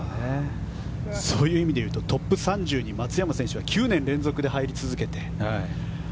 そういう意味で言うとトップ３０に松山選手は９年連続で入り続けて。